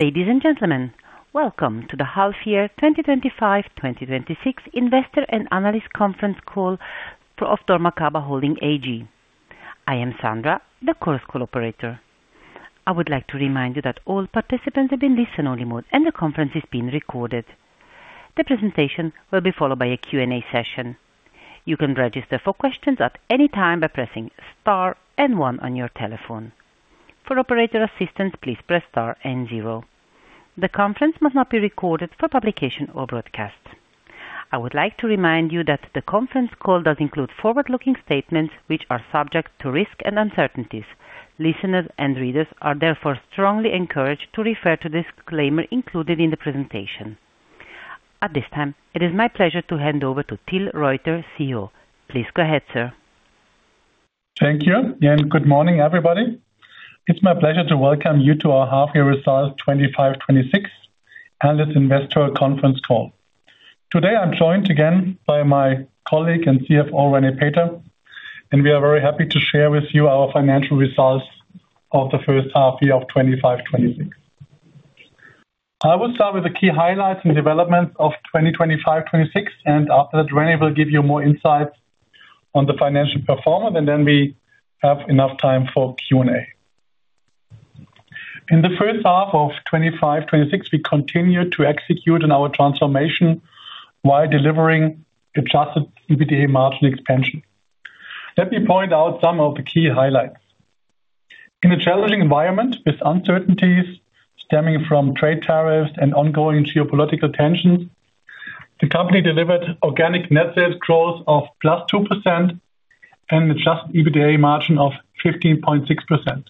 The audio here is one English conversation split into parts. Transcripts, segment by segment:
Ladies and gentlemen, welcome to the Half Year 2025/2026 Investor and Analyst Conference Call for dormakaba Holding AG. I am Sandra, the Chorus Call operator. I would like to remind you that all participants have been listen-only mode, and the conference is being recorded. The presentation will be followed by a Q&A session. You can register for questions at any time by pressing star and one on your telephone. For operator assistance, please press star and zero. The conference must not be recorded for publication or broadcast. I would like to remind you that the conference call does include forward-looking statements, which are subject to risk and uncertainties. Listeners and readers are therefore strongly encouraged to refer to disclaimer included in the presentation. At this time, it is my pleasure to hand over to Till Reuter, CEO. Please go ahead, sir. Thank you. Good morning, everybody. It's my pleasure to welcome you to our Half Year Results 2025, 2026, and this investor conference call. Today, I'm joined again by my colleague and CFO René Peter. We are very happy to share with you our financial results of the first half year of 2025, 2026. I will start with the key highlights and developments of 2025, 2026. After that, René will give you more insights on the financial performance. Then we have enough time for Q&A. In the first half of 2025, 2026, we continued to execute on our transformation while delivering Adjusted EBITDA margin expansion. Let me point out some of the key highlights. In a challenging environment, with uncertainties stemming from trade tariffs and ongoing geopolitical tensions, the company delivered organic net sales growth of +2% and Adjusted EBITDA margin of 15.6%.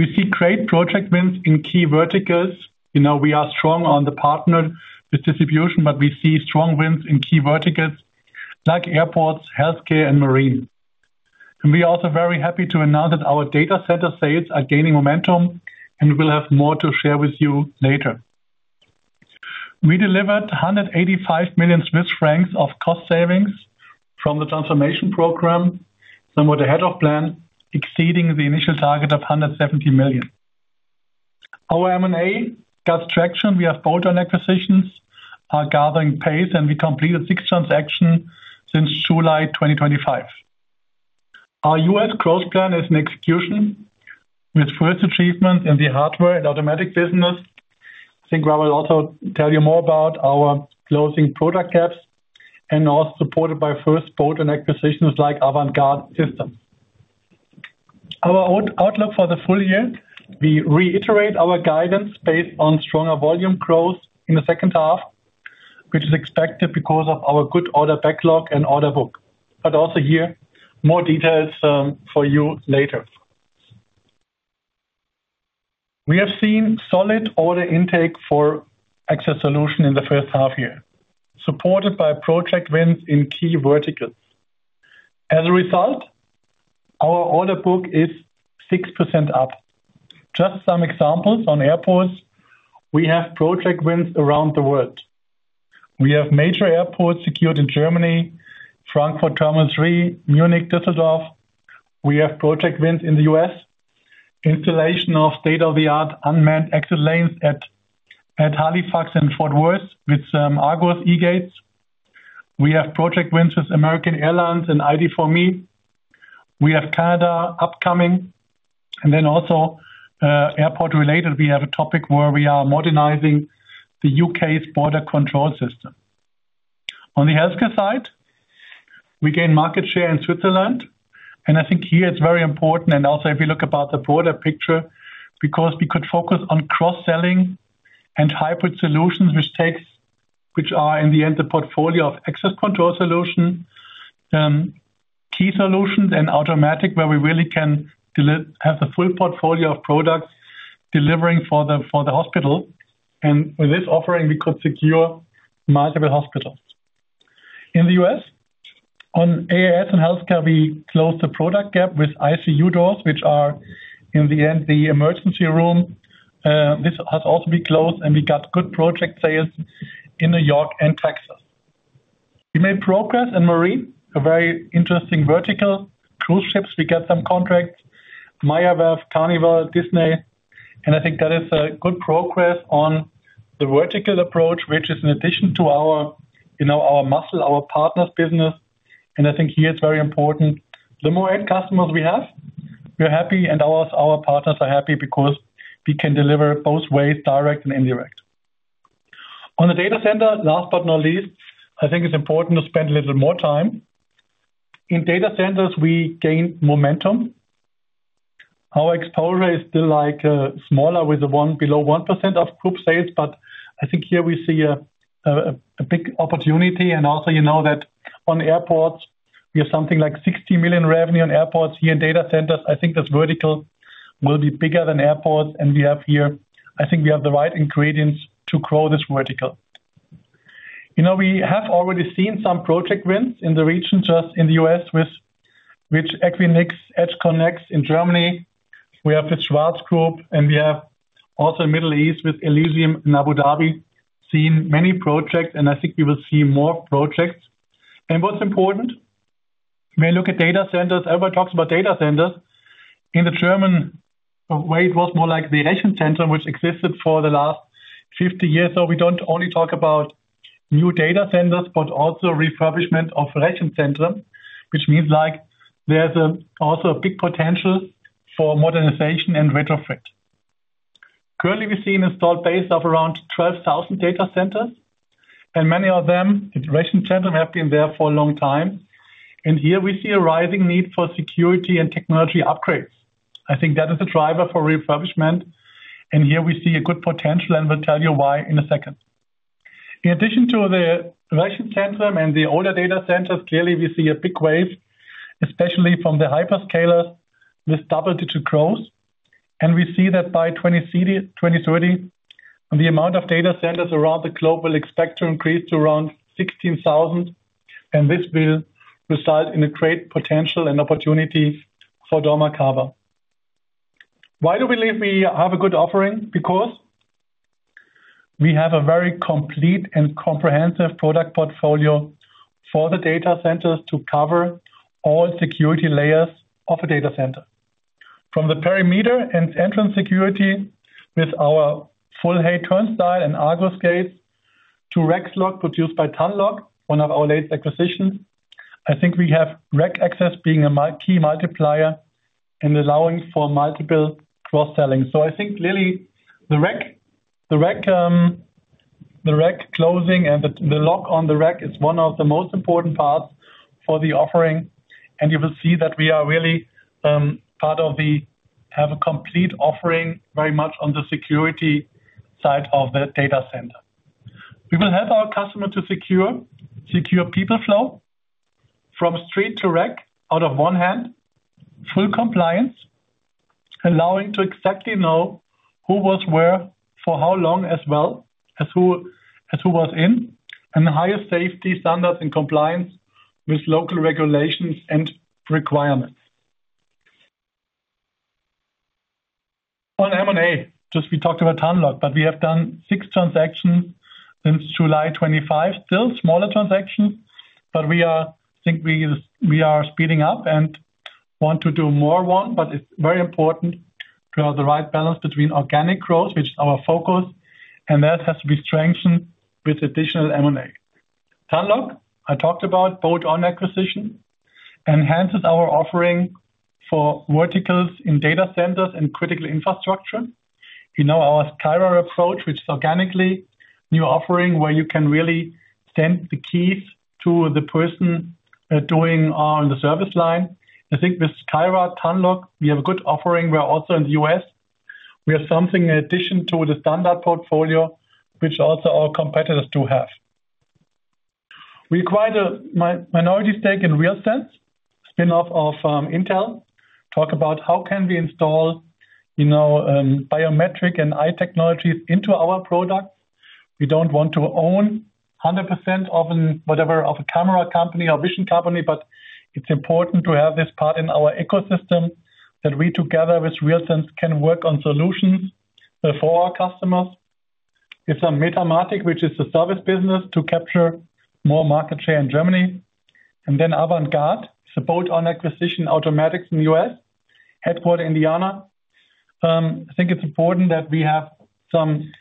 We see great project wins in key verticals. You know, we are strong on the partner with distribution, but we see strong wins in key verticals like airports, healthcare, and marine. We are also very happy to announce that our data center sales are gaining momentum, and we'll have more to share with you later. We delivered 185 million Swiss francs of cost savings from the transformation program, and we're ahead of plan, exceeding the initial target of 170 million. Our M&A got traction. We have bolt-on acquisitions, are gathering pace, and we completed six transactions since July 2025. Our U.S. growth plan is in execution with further treatment in the hardware and automatic business. I think I will also tell you more about our closing product gaps and also supported by first boat and acquisitions like AvantGuard Systems. Our outlook for the full year, we reiterate our guidance based on stronger volume growth in the second half, which is expected because of our good order backlog and order book, also here, more details for you later. We have seen solid order intake for Access Solutions in the first half year, supported by project wins in key verticals. As a result, our order book is 6% up. Some examples on airports, we have project wins around the world. We have major airports secured in Germany, Frankfurt Terminal 3, Munich, Düsseldorf. We have project wins in the U.S., installation of state-of-the-art unmanned exit lanes at Halifax and Fort Worth with Argus eGates. We have project wins with American Airlines and ID.me. Canada upcoming, and then also airport-related, we have a topic where we are modernizing the U.K.'s border control system. On the healthcare side, we gain market share in Switzerland, and I think here it's very important, and also if you look about the broader picture, because we could focus on cross-selling and hybrid solutions, which are in the end, the portfolio of access control solution, key solutions and automatic, where we really can have the full portfolio of products delivering for the hospital. With this offering, we could secure multiple hospitals. In the U.S., on AIS and healthcare, we closed the product gap with ICU doors, which are in the end, the emergency room. This has also been closed, we got good project sales in New York and Texas. We made progress in marine, a very interesting vertical. Cruise ships, we get some contracts, Maersk, Carnival, Disney, I think that is a good progress on the vertical approach, which is in addition to our, you know, our muscle, our partners business. I think here it's very important. The more end customers we have, we're happy and our partners are happy because we can deliver both ways, direct and indirect. On the data center, last but not least, I think it's important to spend a little more time. In data centers, we gain momentum. Our exposure is still, like, smaller with the below 1% of group sales, but I think here we see a big opportunity, and also, you know that on airports, we have something like 60 million revenue on airports. Here in data centers, I think that vertical will be bigger than airports, I think we have the right ingredients to grow this vertical. You know, we have already seen some project wins in the region, just in the U.S., with Equinix, EdgeConnect in Germany. We have the Schwarz Group, and we have also Middle East with Elysium in Abu Dhabi, seen many projects, and I think we will see more projects. What's important? When you look at data centers, everybody talks about data centers. In the German way, it was more like the data center, which existed for the last 50 years. We don't only talk about new data centers, but also refurbishment of data center, which means, like, there's also a big potential for modernization and retrofit. Currently, we've seen installed base of around 12,000 data centers, many of them, the data center, have been there for a long time. Here we see a rising need for security and technology upgrades. I think that is a driver for refurbishment, and here we see a good potential, and we'll tell you why in a second. In addition to the data center and the older data centers, clearly, we see a big wave, especially from the hyperscaler, with double-digit growth. We see that by 2030, the amount of data centers around the globe will expect to increase to around 16,000, and this will result in a great potential and opportunity for dormakaba. Why do we believe we have a good offering? We have a very complete and comprehensive product portfolio for the data centers to cover all security layers of a data center. From the perimeter and entrance security with our full-height turnstile and Argus eGates, to Rex lock, produced by TANlock, one of our latest acquisitions. I think we have rack access being a key multiplier in allowing for multiple cross-selling. I think really the rack closing and the lock on the rack is one of the most important parts for the offering, and you will see that we are really have a complete offering, very much on the security side of the data center. We will help our customer to secure people flow from street to rack out of one hand, full compliance, allowing to exactly know who was where, for how long, as well as who was in, and higher safety standards and compliance with local regulations and requirements. On M&A, just we talked about TANlock, but we have done six transactions since July 25. Still smaller transactions, but we are, think we are speeding up and want to do more one, but it's very important to have the right balance between organic growth, which is our focus, and that has to be strengthened with additional M&A. TANlock, I talked about bolt-on acquisition, enhances our offering for verticals in data centers and critical infrastructure. You know, our Kyra approach, which is organically new offering, where you can really send the keys to the person, doing on the service line. I think with Kyra, TANlock, we have a good offering. We are also in the U.S. We have something in addition to the standard portfolio, which also our competitors do have. We acquired a minority stake in RealSense, spin-off of Intel. Talk about how can we install, you know, biometric and eye technologies into our products. We don't want to own 100% of whatever, of a camera company or vision company. It's important to have this part in our ecosystem, that we, together with RealSense, can work on solutions for our customers. It's on Metamatic, which is a service business to capture more market share in Germany. AvantGuard, support on acquisition automatics in the U.S., headquartered Indiana. I think it's important that we have some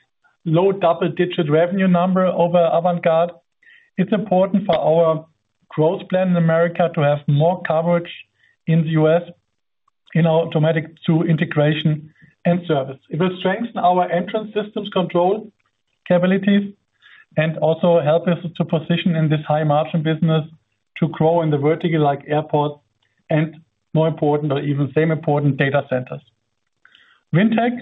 low double-digit revenue number over AvantGuard. It's important for our growth plan in America to have more coverage in the U.S., in automatic to integration and service. It will strengthen our entrance systems control capabilities, also help us to position in this high-margin business to grow in the vertical, like airports, and more important, or even same important, data centers. Vintech,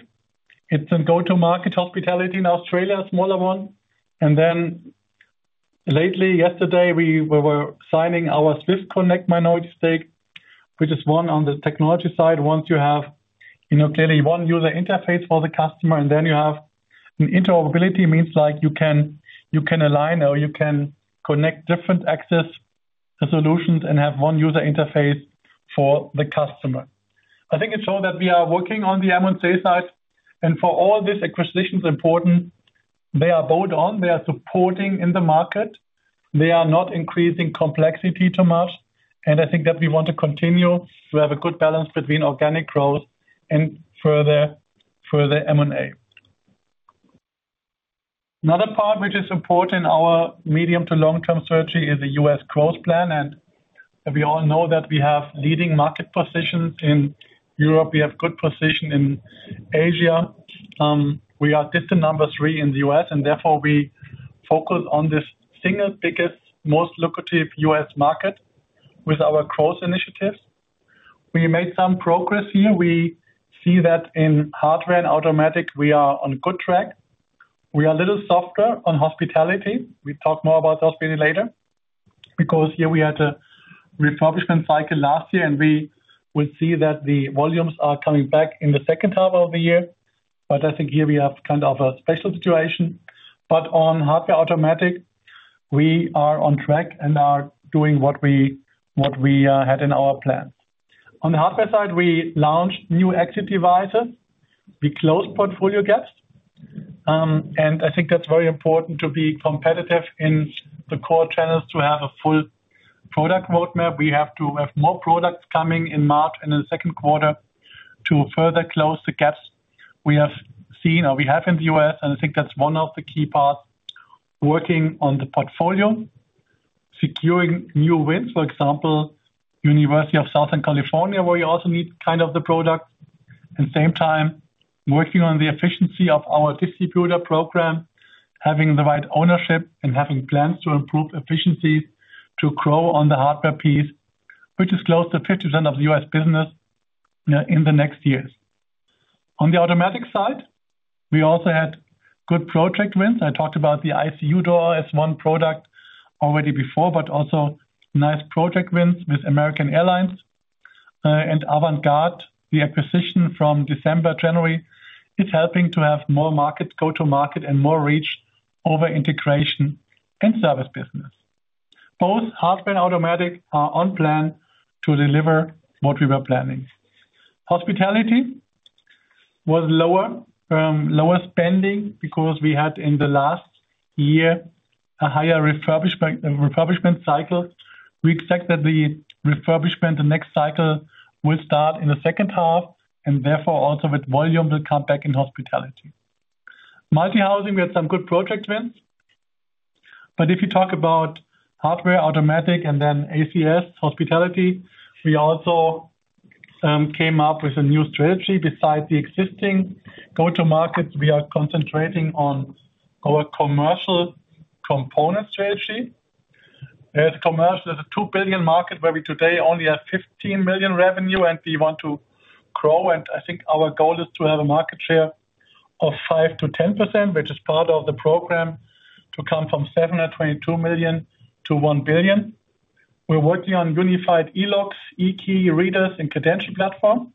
it's a go-to-market hospitality in Australia, a smaller one. Lately, yesterday, we were signing our Swiss Connect minority stake, which is one on the technology side. Once you have, you know, clearly one user interface for the customer, then you have an interoperability, means like you can align or you can connect different access solutions and have one user interface for the customer. I think it's all that we are working on the M&A side. For all these acquisitions important, they are bolt-on, they are supporting in the market. They are not increasing complexity too much, I think that we want to continue to have a good balance between organic growth and further M&A. Another part which is important in our medium to long-term strategy is the U.S. growth plan. We all know that we have leading market positions in Europe. We have good position in Asia. We are distant number three in the U.S., therefore, we focus on this single biggest, most lucrative U.S. market with our growth initiatives. We made some progress here. We see that in hardware and automatic, we are on good track. We are a little softer on hospitality. We talk more about hospitality later, because here we had a refurbishment cycle last year, and we will see that the volumes are coming back in the second half of the year. I think here we have kind of a special situation. On hardware automatic, we are on track and are doing what we had in our plan. On the hardware side, we launched new exit devices. We closed portfolio gaps. I think that's very important to be competitive in the core channels, to have a full product roadmap. We have to have more products coming in March and in the second quarter to further close the gaps we have seen or we have in the U.S. I think that's one of the key parts, working on the portfolio, securing new wins, for example, University of Southern California, where you also need kind of the product. Working on the efficiency of our distributor program, having the right ownership, and having plans to improve efficiencies to grow on the hardware piece, which is close to 50% of the U.S. business in the next years. On the automatic side, we also had good project wins. I talked about the ICU door as one product already before, but also nice project wins with American Airlines and AvantGuard. The acquisition from December, January, is helping to have more markets go to market and more reach over integration and service business. Both hardware and automatic are on plan to deliver what we were planning. Hospitality was lower spending because we had, in the last year, a higher refurbishment cycle. We expect that the refurbishment, the next cycle, will start in the second half, and therefore, also with volume, will come back in hospitality. Multihousing, we had some good project wins, if you talk about hardware, automatic, and then ACS hospitality, we also came up with a new strategy. Besides the existing go-to markets, we are concentrating on our commercial component strategy. Commercial is a 2 billion market, where we today only have 15 million revenue and we want to grow. I think our goal is to have a market share of 5%-10%, which is part of the program, to come from 7.2 million-1 billion. We're working on unified eLocks, eKey readers, and credential platform,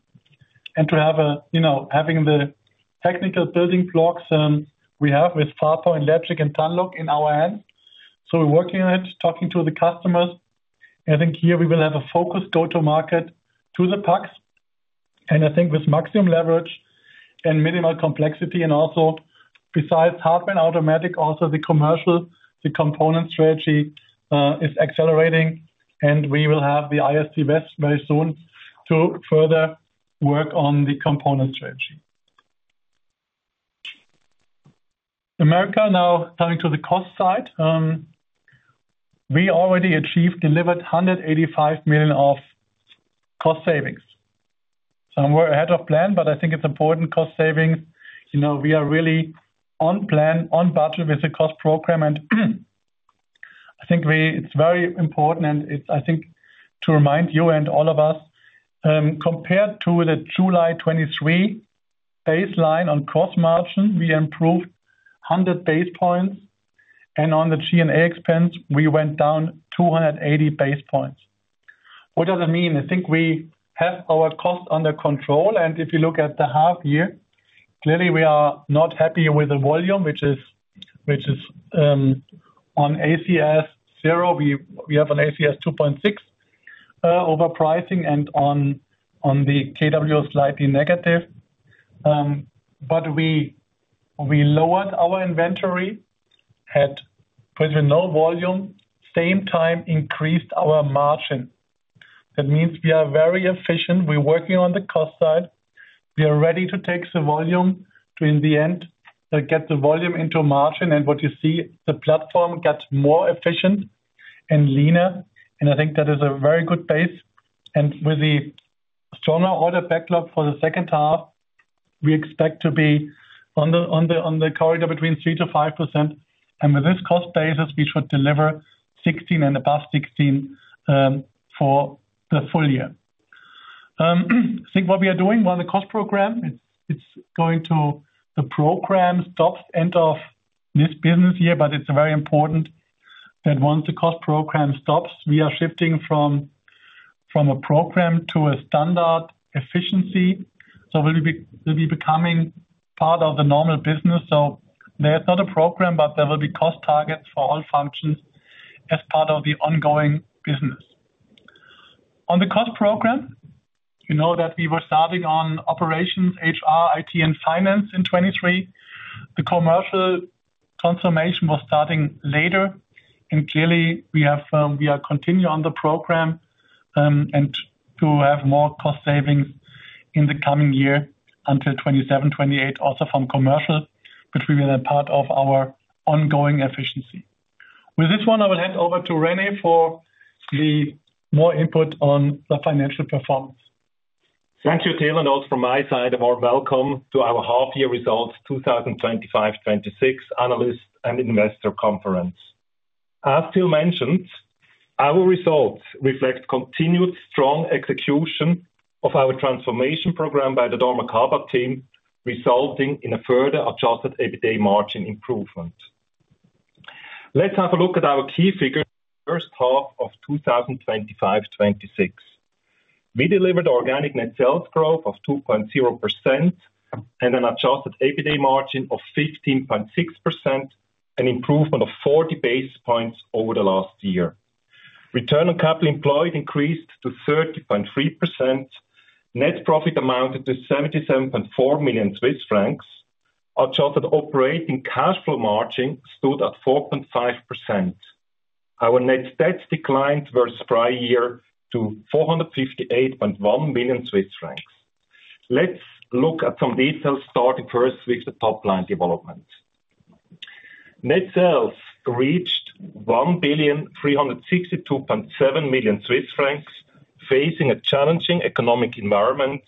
you know, having the technical building blocks we have with Farpa and Lepsi and TANlock in our hand. We're working on it, talking to the customers. I think here we will have a focused go-to-market to the PACS. I think with maximum leverage and minimal complexity, also besides hardware and automatic, also the commercial, the component strategy is accelerating, and we will have the ISC West very soon to further work on the component strategy. America, now, coming to the cost side, we already achieved, delivered 185 million of cost savings. We're ahead of plan. I think it's important cost savings. You know, we are really on plan, on budget with the cost program. I think it's very important. It's, I think, to remind you and all of us, compared to the July 2023 baseline on cost margin, we improved 100 basis points. On the G&A expense, we went down 280 basis points. What does it mean? I think we have our costs under control. If you look at the half year, clearly we are not happy with the volume, which is, which is on ACS 0. We have an ACS 2.6 overpricing. On the KW, slightly negative. We lowered our inventory, had pretty low volume, same time, increased our margin. That means we are very efficient. We're working on the cost side. We are ready to take the volume to, in the end, get the volume into margin, and what you see, the platform gets more efficient and leaner, and I think that is a very good base. With the stronger order backlog for the second half, we expect to be on the corridor between 3%-5%. With this cost basis, we should deliver 16 and above 16 for the full year. I think what we are doing on the cost program, it's going to the program stops end of this business year, but it's very important that once the cost program stops, we are shifting from a program to a standard efficiency. We'll be becoming part of the normal business. There's not a program, but there will be cost targets for all functions as part of the ongoing business. On the cost program, you know that we were starting on operations, HR, IT, and finance in 2023. The commercial transformation was starting later, and clearly, we have, we are continuing on the program, and to have more cost savings in the coming year until 2027, 2028, also from commercial, which will be a part of our ongoing efficiency. With this one, I will hand over to René for the more input on the financial performance. Thank you, Till. Also from my side, a warm welcome to our half year results, 2025-2026, analyst and investor conference. As Till mentioned, our results reflect continued strong execution of our transformation program by the dormakaba team, resulting in a further Adjusted EBITDA margin improvement. Let's have a look at our key figures, first half of 2025-2026. We delivered organic net sales growth of 2.0% and an Adjusted EBITDA margin of 15.6%, an improvement of 40 basis points over the last year. Return on capital employed increased to 30.3%. Net profit amounted to 77.4 million Swiss francs. Our adjusted operating cash flow margin stood at 4.5%. Our net stats declined versus prior year to 458.1 billion Swiss francs. Let's look at some details, starting first with the top line development. Net sales reached 1,362.7 million Swiss francs, facing a challenging economic environment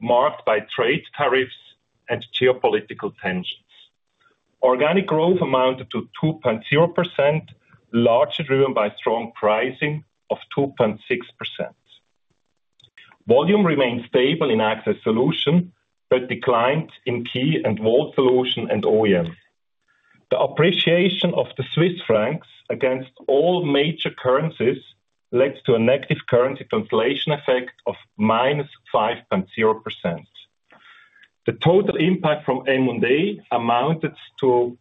marked by trade tariffs and geopolitical tensions. Organic growth amounted to 2.0%, largely driven by strong pricing of 2.6%. Volume remained stable in Access Solutions, but declined in Key & Wall Solutions and OEM. The appreciation of the Swiss franc against all major currencies led to a negative currency translation effect of -5.0%. The total impact from M&A amounted to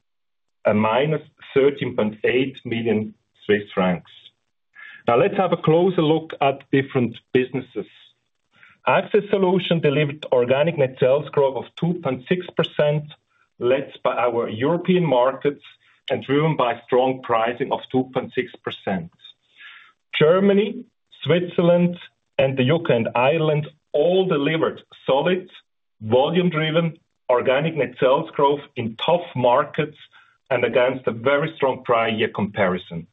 -13.8 million Swiss francs. Let's have a closer look at different businesses. Access Solutions delivered organic net sales growth of 2.6%, led by our European markets and driven by strong pricing of 2.6%. Germany, Switzerland, and the U.K. and Ireland all delivered solid, volume-driven, organic net sales growth in tough markets and against a very strong prior year comparison.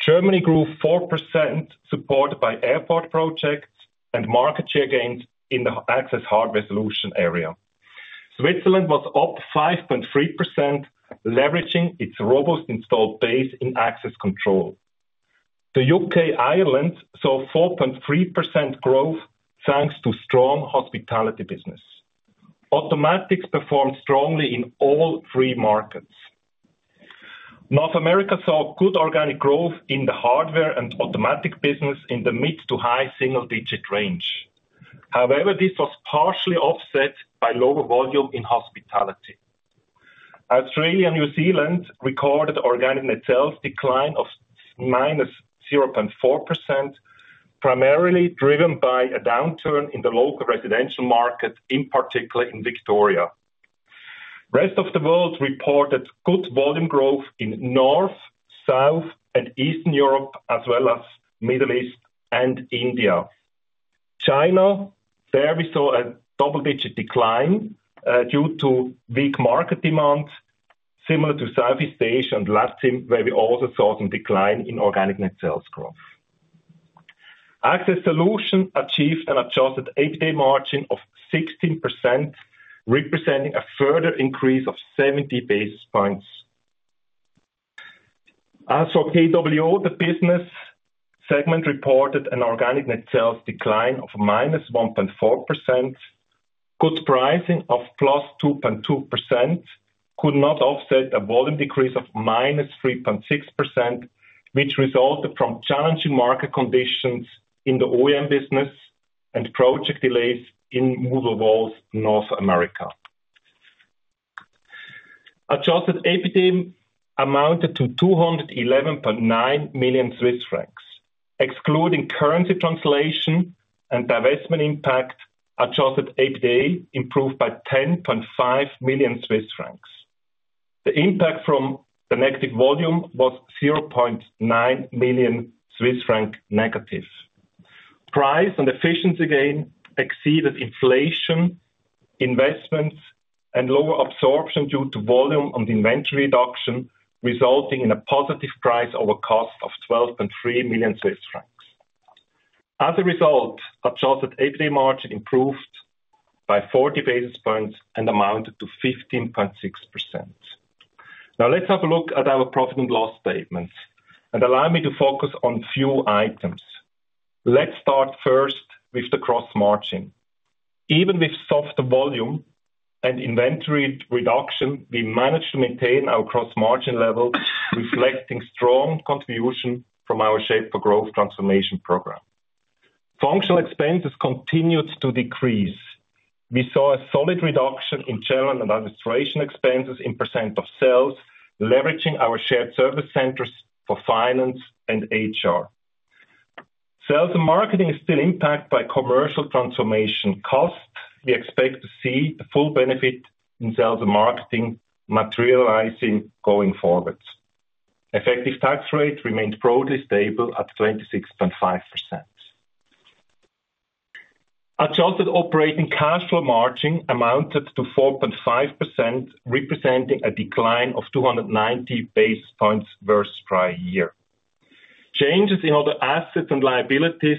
Germany grew 4%, supported by airport projects and market share gains in the access hardware solution area. Switzerland was up 5.3%, leveraging its robust installed base in access control. The U.K., Ireland, saw 4.3% growth, thanks to strong hospitality business. automatics performed strongly in all three markets. North America saw good organic growth in the hardware and automatic business in the mid to high single digit range. This was partially offset by lower volume in hospitality. Australia and New Zealand recorded organic net sales decline of -0.4%, primarily driven by a downturn in the local residential market, in particular in Victoria. Rest of the world reported good volume growth in North, South, and Eastern Europe, as well as Middle East and India. China, there we saw a double-digit decline, due to weak market demand, similar to Southeast Asia and Latin, where we also saw some decline in organic net sales growth. Access Solutions achieved an Adjusted EBITA margin of 16%, representing a further increase of 70 basis points. Also, KWO, the business segment, reported an organic net sales decline of -1.4%. Good pricing of +2.2% could not offset a volume decrease of -3.6%, which resulted from challenging market conditions in the OEM business and project delays in Movable Walls, North America. Adjusted EBITDA amounted to 211.9 million Swiss francs. Excluding currency translation and divestment impact, Adjusted EBITDA improved by 10.5 million Swiss francs. The impact from the negative volume was 0.9 million Swiss franc negative. Price and efficiency gain exceeded inflation, investments, and lower absorption due to volume on the inventory reduction, resulting in a positive price over cost of 12.3 million Swiss francs. As a result, Adjusted EBITDA margin improved by 40 basis points and amounted to 15.6%. Let's have a look at our profit and loss statements, and allow me to focus on few items. Let's start first with the Cross Margin. Even with softer volume and inventory reduction, we managed to maintain our Cross Margin level, reflecting strong contribution from our Shape for Growth transformation program. Functional expenses continued to decrease. We saw a solid reduction in General and Administrative expenses in % of sales, leveraging our shared service centers for finance and HR. Sales and marketing is still impacted by commercial transformation costs. We expect to see the full benefit in sales and marketing materializing going forward. Effective tax rate remains broadly stable at 26.5%. Adjusted operating cash flow margin amounted to 4.5%, representing a decline of 290 basis points versus prior year. Changes in other assets and liabilities,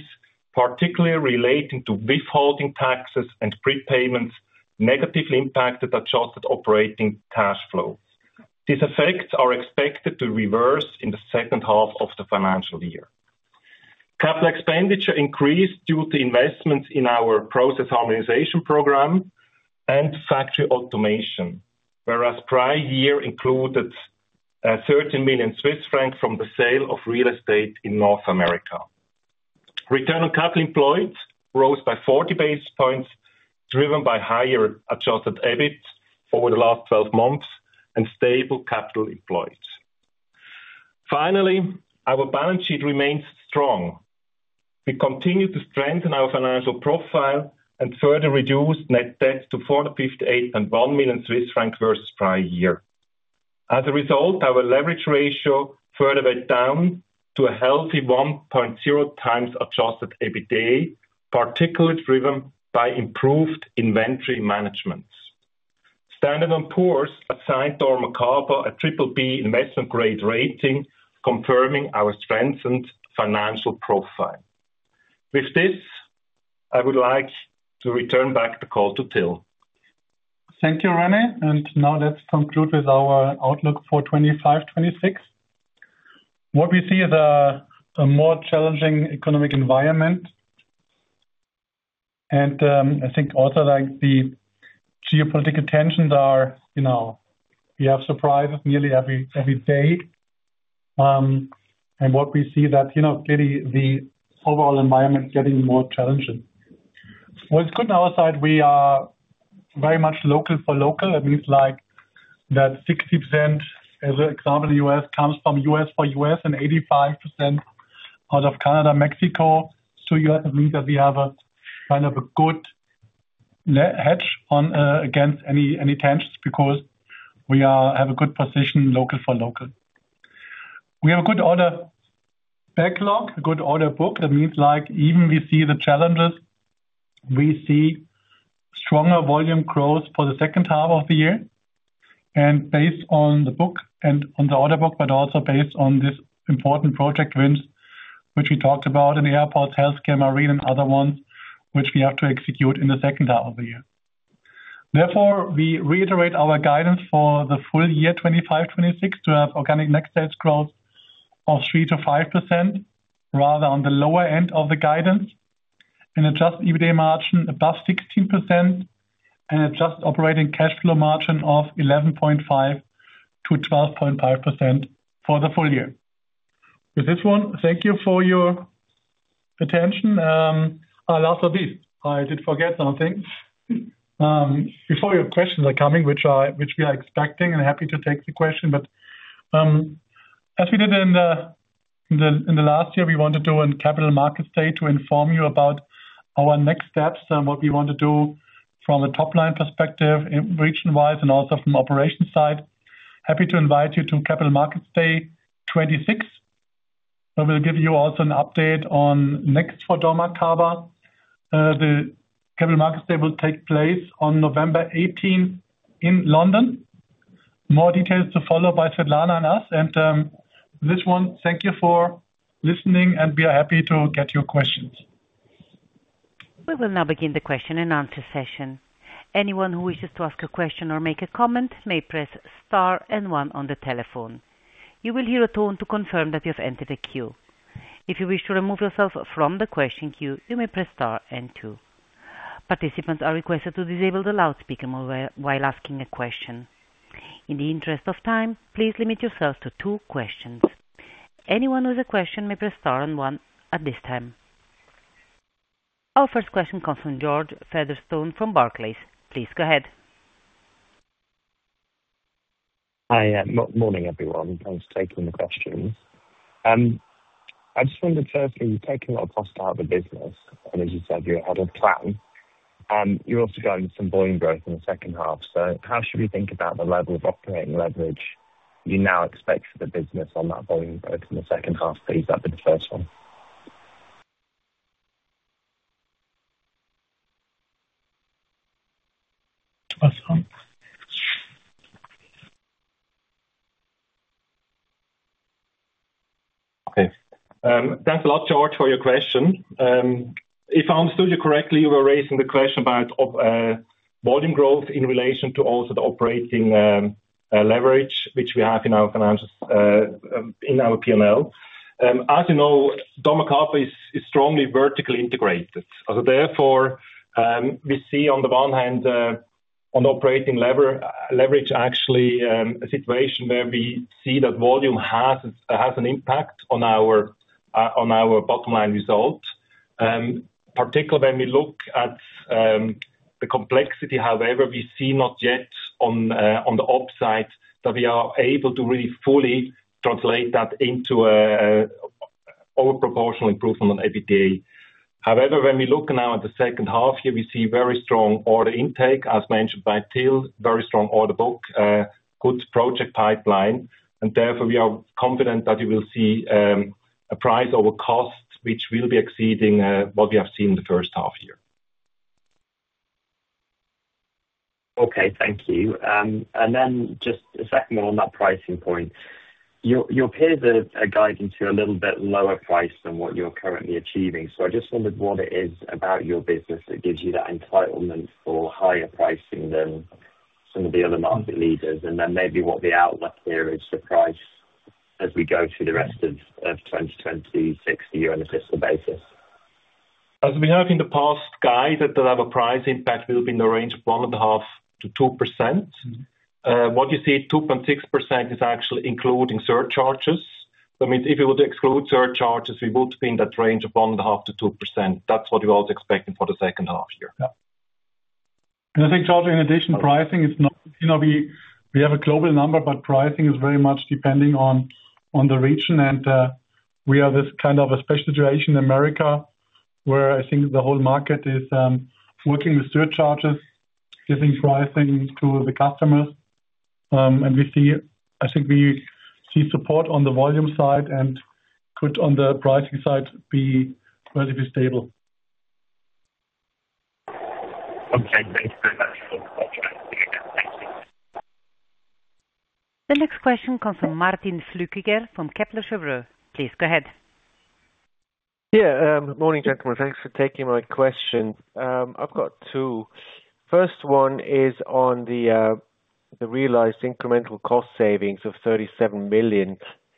particularly relating to withholding taxes and prepayments, negatively impacted adjusted operating cash flow. These effects are expected to reverse in the second half of the financial year. Capital expenditure increased due to investments in our process harmonization program and factory automation, whereas prior year included 13 million Swiss francs from the sale of real estate in North America... Return on capital employed rose by 40 basis points, driven by higher adjusted EBIT over the last 12 months and stable capital employed. Our balance sheet remains strong. We continue to strengthen our financial profile and further reduce net debt to 458.1 million Swiss francs versus prior year. As a result, our leverage ratio further went down to a healthy 1.0x Adjusted EBITA, particularly driven by improved inventory management. S&P Global Ratings assigned dormakaba a BBB investment grade rating, confirming our strengthened financial profile. With this, I would like to return back the call to Till. Thank you, René. Now let's conclude with our outlook for 2025, 2026. What we see is a more challenging economic environment, and I think also, like, the geopolitical tensions are, you know, we have surprise nearly every day. What we see that, you know, clearly the overall environment is getting more challenging. What's good on our side, we are very much local for local. That means, like, that 60%, as an example, U.S., comes from U.S. for U.S., and 85% out of Canada, Mexico. You have to believe that we have a kind of a good hedge on against any tensions, because we are, have a good position, local for local. We have a good order backlog, a good order book. That means, like, even we see the challenges, we see stronger volume growth for the second half of the year. Based on the book and on the order book, but also based on this important project wins, which we talked about in the airport, healthcare, marine and other ones, which we have to execute in the second half of the year. We reiterate our guidance for the full year, 2025-2026, to have organic net sales growth of 3%-5%, rather on the lower end of the guidance, an Adjusted EBITA margin above 16%, and adjusted operating cash flow margin of 11.5%-12.5% for the full year. With this one, thank you for your attention. Last but not least, I did forget something. Before your questions are coming, which we are expecting and happy to take the question, but as we did in the last year, we want to do a Capital Markets Day to inform you about our next steps and what we want to do from a top line perspective, region-wise, and also from operations side. Happy to invite you to Capital Markets Day 2026, and we'll give you also an update on next for dormakaba. The Capital Markets Day will take place on November eighteenth in London. More details to follow by Svetlana and us. This one, thank you for listening, and we are happy to get your questions. We will now begin the question and answer session. Anyone who wishes to ask a question or make a comment, may press star and one on the telephone. You will hear a tone to confirm that you have entered the queue. If you wish to remove yourself from the question queue, you may press star and two. Participants are requested to disable the loudspeaker mode while asking a question. In the interest of time, please limit yourselves to two questions. Anyone with a question may press star and one at this time. Our first question comes from George Featherstone from Barclays. Please go ahead. Hi. Morning, everyone. Thanks for taking the questions. I just wondered, firstly, you've taken a lot of cost out of the business, and as you said, you're ahead of plan. You're also guiding some volume growth in the second half. How should we think about the level of operating leverage you now expect for the business on that volume growth in the second half, please? That'd be the first one. Awesome. Okay, thanks a lot, George, for your question. If I understood you correctly, you were raising the question about of volume growth in relation to also the operating leverage which we have in our finances in our PNL. As you know, dormakaba is strongly vertically integrated. Therefore, we see on the one hand on operating leverage, actually, a situation where we see that volume has an impact on our bottom line result. Particularly when we look at the complexity, however, we see not yet on the op side, that we are able to really fully translate that into a over proportional improvement on EBITDA. When we look now at the second half, here we see very strong order intake, as mentioned by Till, very strong order book, good project pipeline, and therefore we are confident that you will see a price over cost, which will be exceeding what we have seen in the first half year. Okay, thank you. Then just a second one on that pricing point. You appeared a guidance to a little bit lower price than what you're currently achieving. I just wondered what it is about your business that gives you that entitlement for higher pricing than some of the other market leaders, and then maybe what the outlook here is for price as we go through the rest of 2026 year on a system basis? As we have in the past, guided that our price impact will be in the range of 1.5%-2%. What you see, 2.6% is actually including surcharges. That means if you were to exclude surcharges, we would be in that range of 1.5%-2%. That's what we was expecting for the second half year. I think also in addition, pricing is not, you know, we have a global number, but pricing is very much depending on the region. We have this kind of a special situation in America where I think the whole market is working with surcharges, giving pricing to the customers. We see, I think we see support on the volume side and could, on the pricing side, be relatively stable. Okay, thanks very much. The next question comes from Martin Flückiger from Kepler Cheuvreux. Please go ahead. Good morning, gentlemen. Thanks for taking my questions. I've got two. First one is on the realized incremental cost savings of 37 million.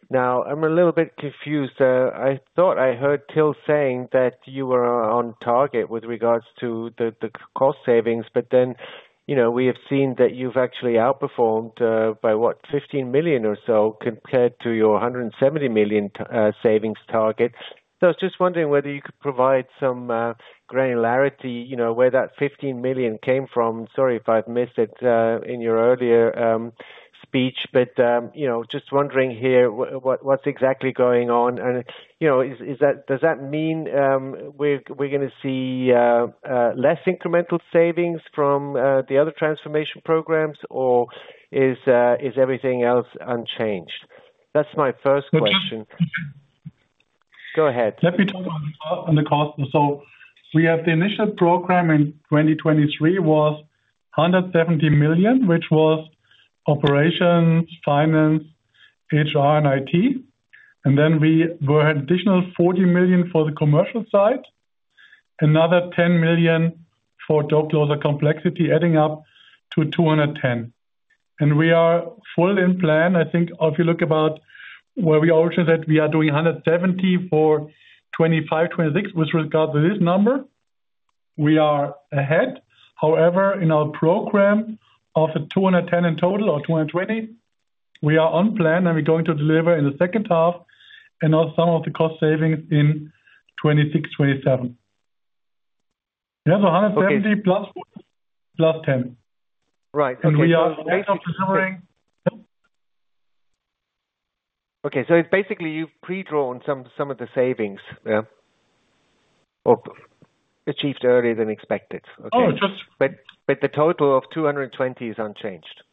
Now, I'm a little bit confused. I thought I heard Till saying that you were on target with regards to the cost savings, but then, you know, we have seen that you've actually outperformed by what? 15 million or so compared to your 170 million savings target. I was just wondering whether you could provide some granularity, you know, where that 15 million came from. Sorry if I've missed it in your earlier speech, but, you know, just wondering here, what's exactly going on. You know, does that mean we're gonna see less incremental savings from the other transformation programs, or is everything else unchanged? That's my first question. Good question. Go ahead. Let me talk on the cost. We have the initial program in 2023 was 170 million, which was operations, finance, HR, and IT. Then we were additional 40 million for the commercial side, another 10 million for door closer complexity, adding up to 210 million. We are fully in plan. I think if you look about where we are also, that we are doing 170 million for 2025, 2026 with regard to this number, we are ahead. However, in our program of the 210 million in total or 220 million, we are on plan, and we're going to deliver in the second half and also some of the cost savings in 2026, 2027. Yeah, so 170 million. Okay. +10. Right. We are also delivering-. Okay, basically, you've pre-drawn some of the savings, yeah, or achieved earlier than expected. Okay. Oh, just- The total of 220 is unchanged?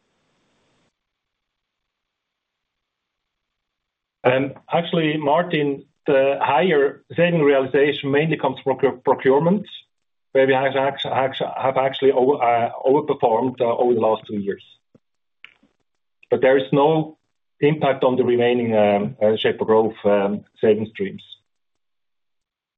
Actually, Martin, the higher saving realization mainly comes from pro-procurement, where we have actually overperformed over the last two years. There is no impact on the remaining Shape for Growth saving streams.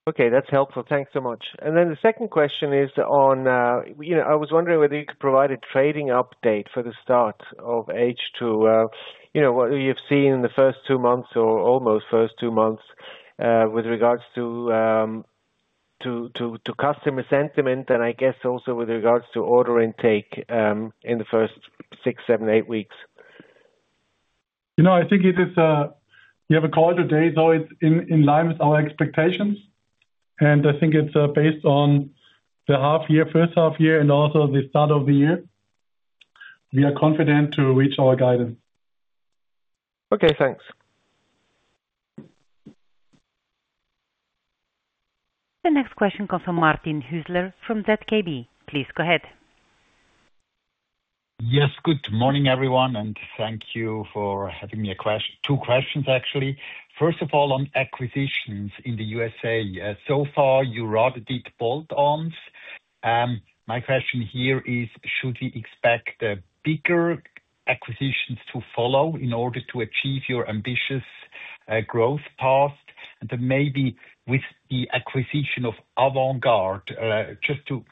Okay, that's helpful. Thanks so much. The second question is on, you know, I was wondering whether you could provide a trading update for the start of H2. you know, what you've seen in the first two months or almost first two months, with regards to customer sentiment, and I guess also with regards to order intake, in the first six, seven, eight weeks. You know, I think it is, we have a call today, so it's in line with our expectations. I think it's, based on the half year, first half year, and also the start of the year. We are confident to reach our guidance. Okay, thanks. The next question comes from Martin Hüsler from ZKB. Please go ahead. Yes, good morning, everyone, and thank you for having me. Two questions, actually. First of all, on acquisitions in the U.S.A. So far, you rather did bolt-ons. My question here is, should we expect the bigger acquisitions to follow in order to achieve your ambitious growth path? Then maybe with the acquisition of Avant-Garde, just to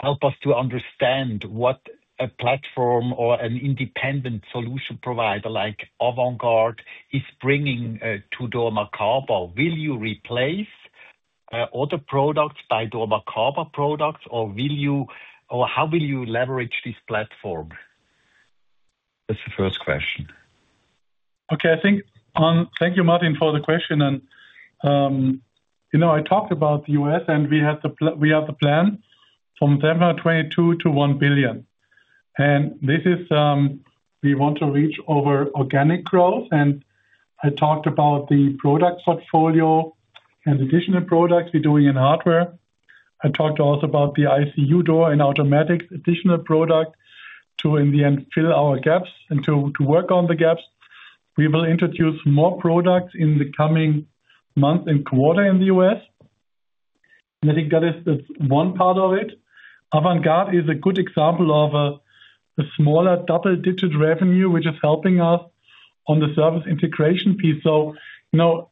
help us to understand what a platform or an independent solution provider like Avant-Garde is bringing to dormakaba. Will you replace other products by dormakaba products, or how will you leverage this platform? That's the first question. Okay, I think thank you, Martin, for the question, you know, I talked about the U.S., and we have the plan from September 2022 to $1 billion. This is, we want to reach over organic growth, and I talked about the product portfolio and additional products we're doing in hardware. I talked also about the ICU door and automatics, additional product to, in the end, fill our gaps and to work on the gaps. We will introduce more products in the coming month and quarter in the U.S. I think that is, that's one part of it. AvantGuard is a good example of a smaller double-digit revenue, which is helping us on the service integration piece. Now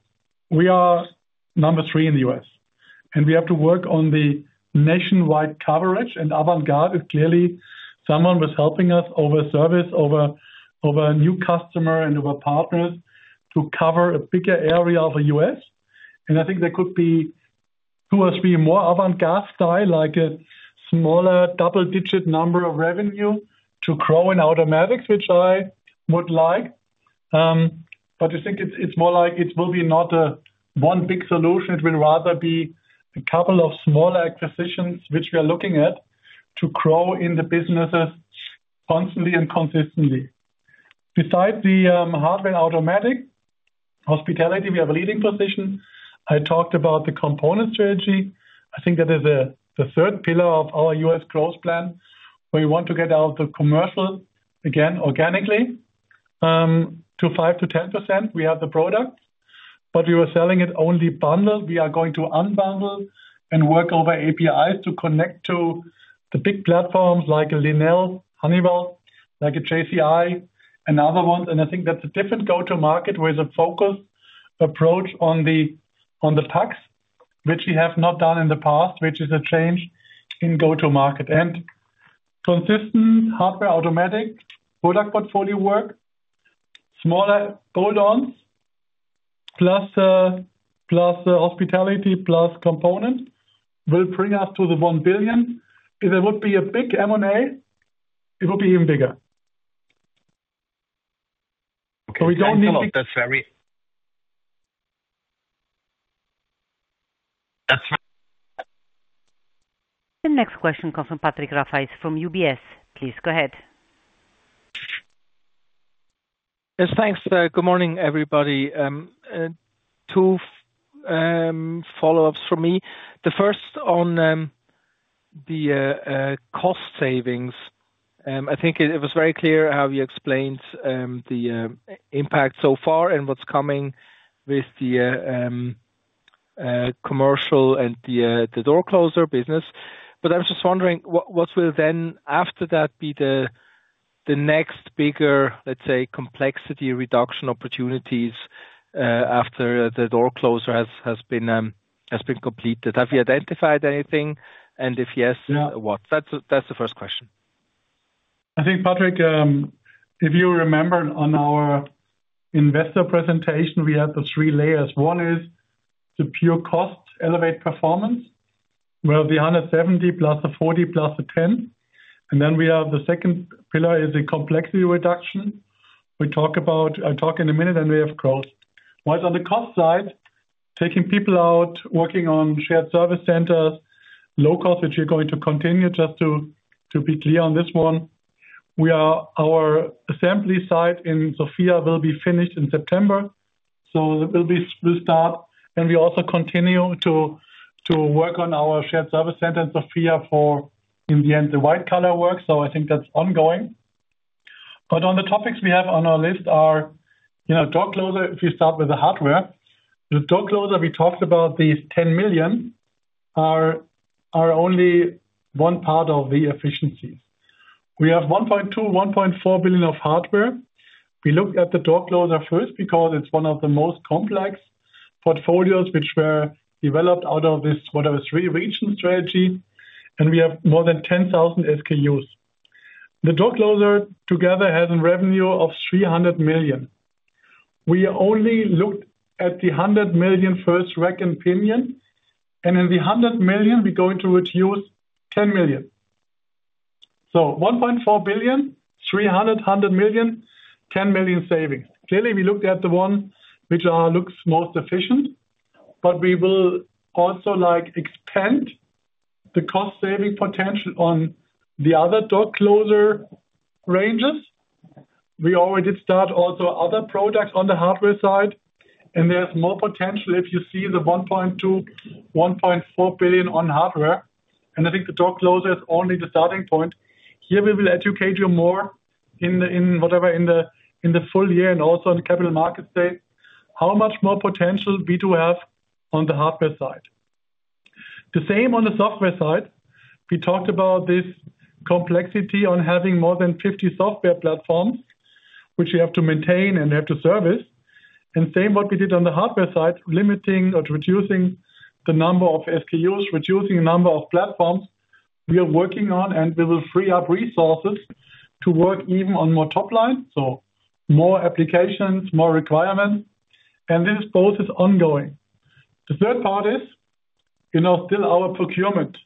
we are number three in the U.S., and we have to work on the nationwide coverage, and Avantgarde is clearly someone who is helping us over service, over a new customer and over partners to cover a bigger area of the U.S. I think there could be two or three more avant-garde style, like a smaller double-digit number of revenue to grow in automatics, which I would like. I think it's more like it will be not a one big solution, it will rather be a couple of smaller acquisitions, which we are looking at, to grow in the businesses constantly and consistently. Besides the hardware automatic, hospitality, we have a leading position. I talked about the component strategy. I think that is the third pillar of our U.S. growth plan, where we want to get out the commercial, again, organically, to 5%-10%. We have the product, but we were selling it only bundled. We are going to unbundle and work over APIs to connect to the big platforms like a Lenel Honeywell, like a JCI and other ones. I think that's a different go-to market with a focused approach on the tax, which we have not done in the past, which is a change in go-to market. Consistent hardware, automatic product portfolio work, smaller add-ons, plus the hospitality, plus components, will bring us to the 1 billion. If there would be a big M&A, it will be even bigger. Okay, thank you. That's very... The next question comes from Patrick Rafaisz from UBS. Please go ahead. Yes, thanks. Good morning, everybody. Two follow-ups from me. The first on the cost savings. I think it was very clear how you explained the impact so far and what's coming with the commercial and the door closer business. I was just wondering, what will then, after that, be the next bigger, let's say, complexity reduction opportunities, after the door closer has been completed? Have you identified anything, and if yes, what? That's the first question. I think, Patrick, if you remember on our investor presentation, we had the three layers. One is the pure cost, Elevate Performance, where the 170+ the 40, plus the 10. We have the second pillar is the complexity reduction. I'll talk in a minute, and we have growth. While on the cost side, taking people out, working on shared service centers, low cost, which we're going to continue, to be clear on this one. Our assembly site in Sofia will be finished in September, so it will be, we'll start, and we also continue to work on our shared service center in Sofia for, in the end, the white collar work, so I think that's ongoing. On the topics we have on our list are, you know, door closer, if you start with the hardware. The door closer, we talked about these 10 million, are only one part of the efficiency. We have 1.2 billion, 1.4 billion of hardware. We looked at the door closer first because it's one of the most complex portfolios which were developed out of this, what I was three regional strategy, and we have more than 10,000 SKUs. The door closer together has a revenue of 300 million. We only looked at the 100 million first rack and pinion, and in the 100 million, we're going to reduce 10 million. 1.4 billion, 300 million, 100 million, 10 million savings. Clearly, we looked at the one which looks most efficient, but we will also, like, extend the cost saving potential on the other door closer ranges. We already start also other products on the hardware side. There's more potential if you see the 1.2 billion-1.4 billion on hardware, I think the door closer is only the starting point. Here, we will educate you more in the full year and also in the Capital Markets Day, how much more potential we do have on the hardware side. The same on the software side. We talked about this complexity on having more than 50 software platforms, which you have to maintain and you have to service. Same what we did on the hardware side, limiting or reducing the number of SKUs, reducing the number of platforms we are working on, we will free up resources to work even on more top line, so more applications, more requirements. This both is ongoing. The third part is, you know, still our procurement.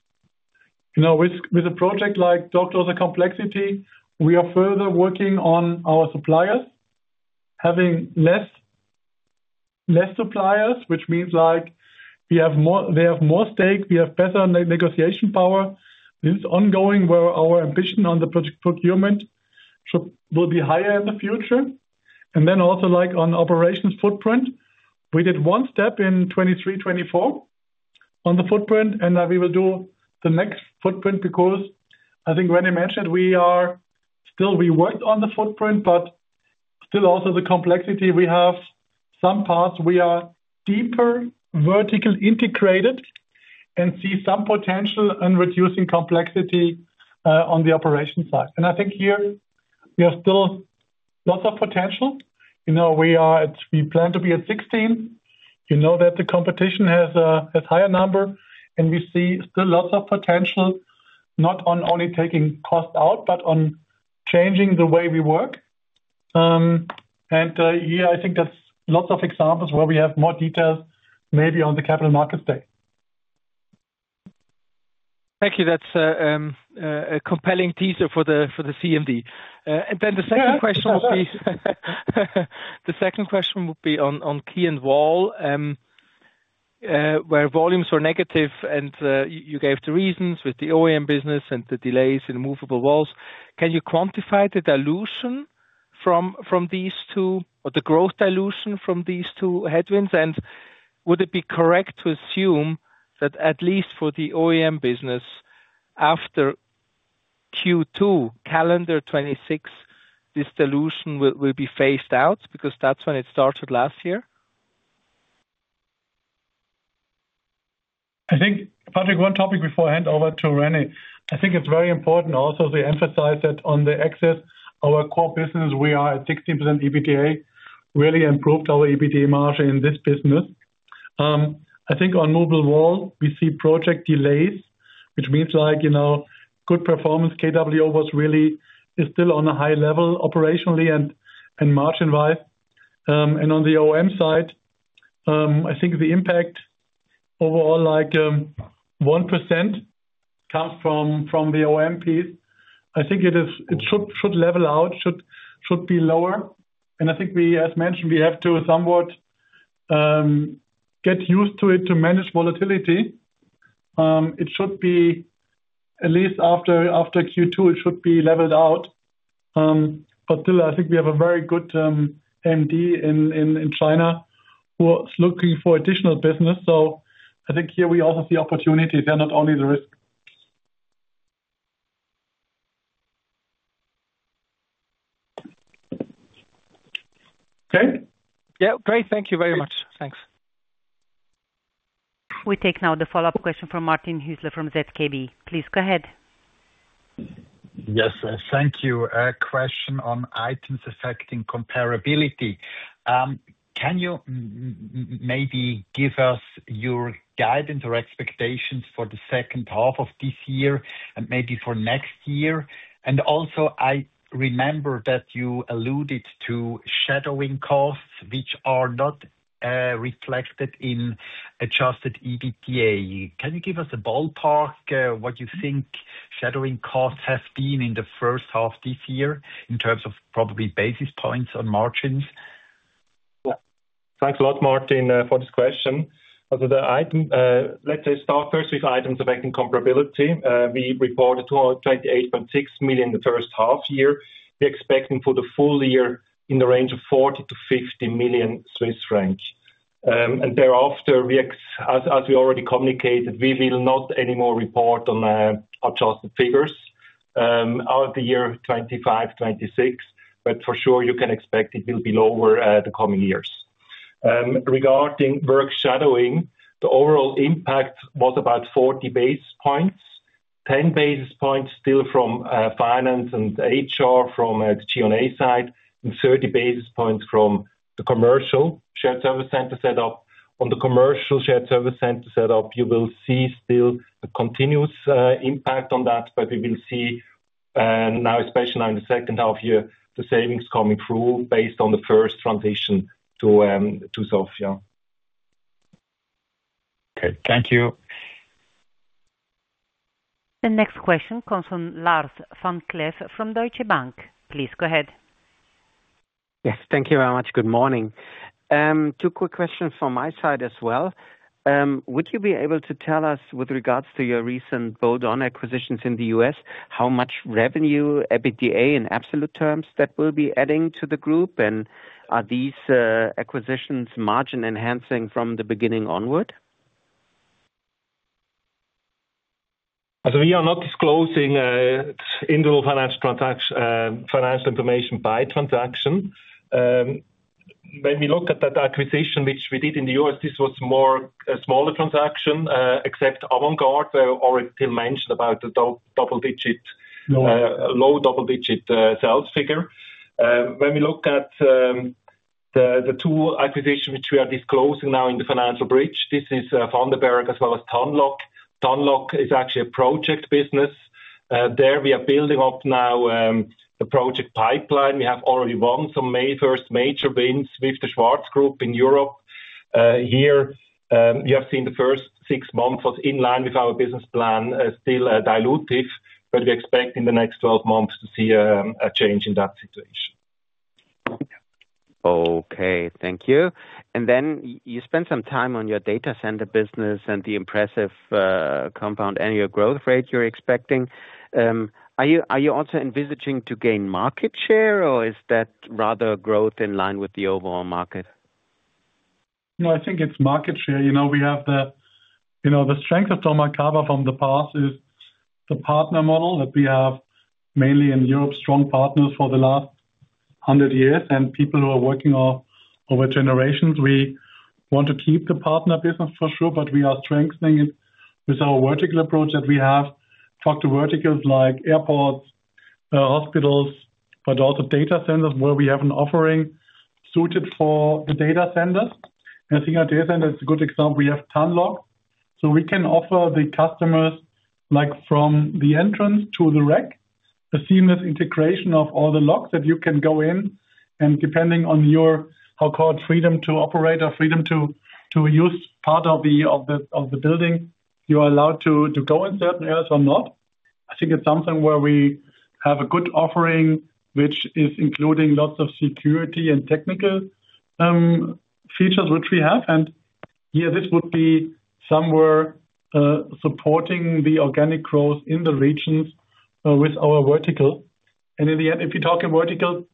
You know, with a project like door closer complexity, we are further working on our suppliers, having less suppliers, which means, like, they have more stake, we have better negotiation power. This is ongoing, where our ambition on the project procurement, so will be higher in the future. Also, like on operations footprint, we did 1 step in 2023, 2024 on the footprint, and now we will do the next footprint because I think when I mentioned, we are still, we worked on the footprint, but still also the complexity. We have some parts, we are deeper, vertical, integrated, and see some potential in reducing complexity on the operation side. I think here we are still lots of potential. You know, we plan to be at 16. You know that the competition has higher number, and we see still lots of potential, not only taking cost out, but on changing the way we work. I think that's lots of examples where we have more details, maybe on the Capital Markets Day. Thank you. That's a compelling teaser for the CMD. The second question would be on Key & Wall, where volumes were negative, and you gave the reasons with the OEM business and the delays in Movable Walls. Can you quantify the dilution from these two, or the growth dilution from these two headwinds? Would it be correct to assume that at least for the OEM business, after Q2, calendar 2026, this dilution will be phased out? Because that's when it started last year. I think, Patrick, one topic before I hand over to Rene. I think it's very important also to emphasize that on the Access Solutions, our core business, we are at 60% EBITDA, really improved our EBITDA margin in this business. I think on Movable Walls, we see project delays, which means, like, you know, good performance. KWO was really, is still on a high level operationally and margin-wise. And on the OEM side, I think the impact overall, like, 1% comes from the OEM piece. I think it is, it should level out, should be lower. I think we, as mentioned, we have to somewhat get used to it to manage volatility. It should be at least after Q2, it should be leveled out. Still, I think we have a very good MD in China, who is looking for additional business. I think here we also see opportunities. They're not only the risk. Okay? Yeah, great. Thank you very much. Thanks. We take now the follow-up question from Martin Hüsler, from ZKB. Please go ahead. Yes, thank you. A question on items affecting comparability. Can you maybe give us your guidance or expectations for the second half of this year and maybe for next year? Also, I remember that you alluded to shadow costs, which are not reflected in Adjusted EBITDA. Can you give us a ballpark what you think shadow costs have been in the first half this year, in terms of probably basis points on margins? Thanks a lot, Martin, for this question. The item, start first with items affecting comparability. We reported 228.6 million the first half year. We're expecting for the full year in the range of 40 million-50 million Swiss franc. Thereafter, as we already communicated, we will not any more report on adjusted figures out of the year 2025, 2026, but for sure, you can expect it will be lower the coming years. Regarding work shadowing, the overall impact was about 40 basis points. 10 basis points still from finance and HR, from a G&A side, and 30 basis points from the commercial shared service center set up. On the commercial shared service center set up, you will see still a continuous impact on that, we will see now, especially now in the second half year, the savings coming through, based on the first transition to Sofia. Okay, thank you. The next question comes from Lars vom Cleff from Deutsche Bank. Please go ahead. Yes, thank you very much. Good morning. Two quick questions from my side as well. Would you be able to tell us, with regards to your recent bolt-on acquisitions in the U.S., how much revenue, EBITDA, in absolute terms, that will be adding to the group? Are these acquisitions margin-enhancing from the beginning onward? We are not disclosing individual financial information by transaction. When we look at that acquisition, which we did in the U.S., this was more a smaller transaction, except AvantGuard, where Orion still mentioned about the low double digit sales figure. When we look at the two acquisition, which we are disclosing now in the financial bridge, this is van den Berg, as well as TANlock. TANlock is actually a project business. There, we are building up now the project pipeline. We have already won some first major wins with the Schwarz Group in Europe. Here, we have seen the first six months was in line with our business plan, still dilutive, but we expect in the next 12 months to see a change in that situation. Okay, thank you. You spent some time on your data center business and the impressive compound annual growth rate you're expecting. Are you also envisaging to gain market share, or is that rather growth in line with the overall market? No, I think it's market share. You know, we have the... You know, the strength of dormakaba from the past is the partner model, that we have, mainly in Europe, strong partners for the last 100 years, and people who are working off over generations. We want to keep the partner business for sure, but we are strengthening it with our vertical approach that we have. Talk to verticals like airports, hospitals, but also data centers, where we have an offering suited for the data centers. I think our data center is a good example, we have TANlock.... We can offer the customers, like, from the entrance to the rack, the seamless integration of all the locks, that you can go in, and depending on your, so-called, freedom to operate, or freedom to use part of the building, you are allowed to go in certain areas or not. I think it's something where we have a good offering, which is including lots of security and technical features which we have. This would be somewhere supporting the organic growth in the regions with our vertical. In the end, if you talk in vertical,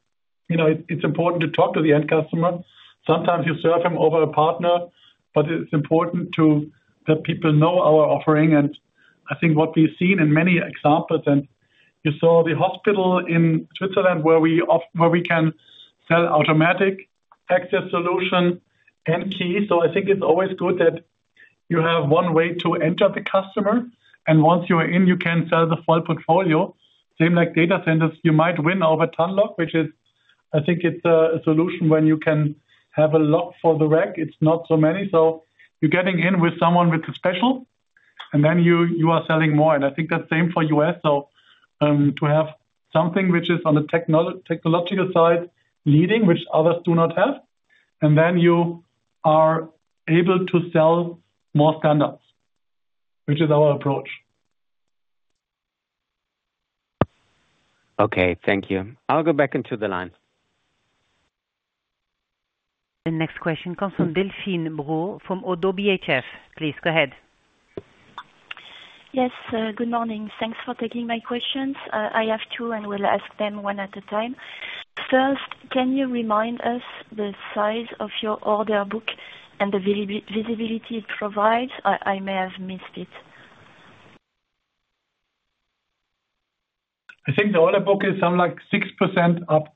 you know, it's important to talk to the end customer. Sometimes you serve him over a partner, but it's important that people know our offering. I think what we've seen in many examples, you saw the hospital in Switzerland where we can sell automatic Access Solutions and key. I think it's always good that you have one way to enter the customer, and once you are in, you can sell the full portfolio. Same like data centers, you might win over TANlock, which is I think it's a solution when you can have a lock for the rack. It's not so many. You're getting in with someone with a special, and then you are selling more, and I think that's same for U.S. To have something which is on the technological side, leading, which others do not have, and then you are able to sell more standards, which is our approach. Okay, thank you. I'll go back into the line. The next question comes from Delphine Brault from ODDO BHF. Please, go ahead. Yes, good morning. Thanks for taking my questions. I have two, and will ask them one at a time. First, can you remind us the size of your order book and the visibility it provides? I may have missed it. I think the order book is something like 6% up.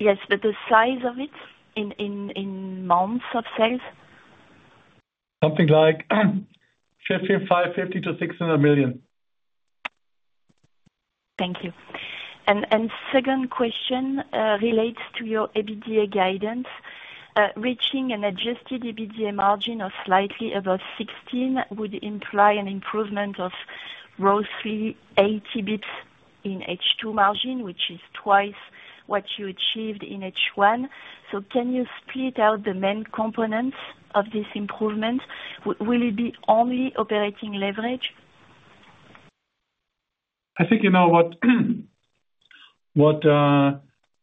Yes, but the size of it, in months of sales? Something like, 55, 50 to 600 million. Thank you. Second question relates to your EBITDA guidance. Reaching an Adjusted EBITDA margin of slightly above 16 would imply an improvement of roughly 80 bits in H2 margin, which is twice what you achieved in H1. Can you split out the main components of this improvement? Will it be only operating leverage? I think you know what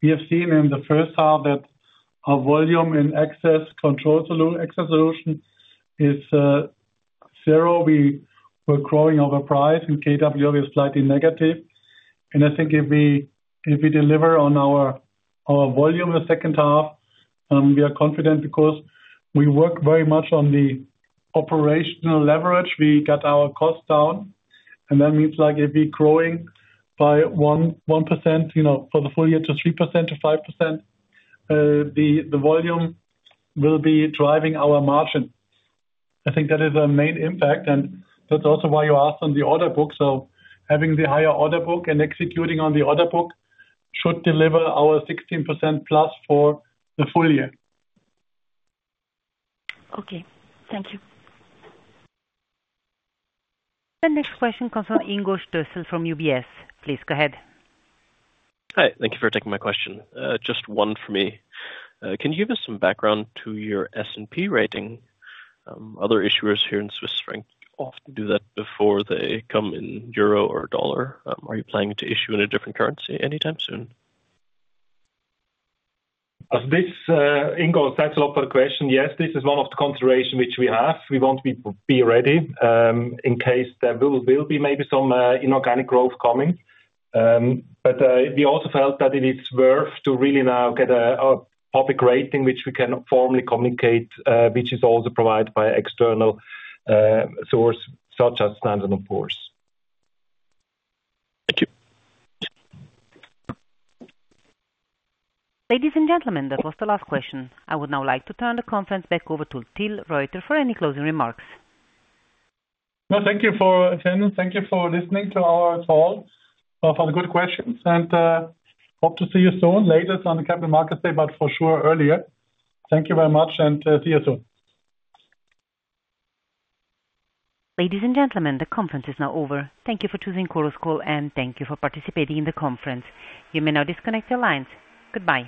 we have seen in the first half, that our volume in Access Solutions is zero. We were growing over price, KWD is slightly negative. I think if we deliver on our volume the second half, we are confident because we work very much on the operational leverage. We get our costs down, and that means, like, if we growing by 1%, you know, for the full year to 3% to 5%, the volume will be driving our margin. I think that is a main impact, and that's also why you asked on the order book. Having the higher order book and executing on the order book should deliver our 16%+ for the full year. Okay, thank you. The next question comes from Ingo Stössel from UBS. Please, go ahead. Hi, thank you for taking my question. Just one for me. Can you give us some background to your S&P rating? Other issuers here in Swiss franc often do that before they come in euro or dollar. Are you planning to issue in a different currency anytime soon? As this, Ingo, thanks a lot for the question. Yes, this is one of the consideration which we have. We want to be ready in case there will be maybe some inorganic growth coming. We also felt that it is worth to really now get a public rating, which we can formally communicate, which is also provided by external source, such as Standard & Poor's. Thank you. Ladies and gentlemen, that was the last question. I would now like to turn the conference back over to Till Reuter for any closing remarks. Well, thank you for attending. Thank you for listening to our call, for the good questions, and, hope to see you soon, later on the Capital Market Day, but for sure, earlier. Thank you very much, and, see you soon. Ladies and gentlemen, the conference is now over. Thank you for choosing Chorus Call, and thank you for participating in the conference. You may now disconnect your lines. Goodbye.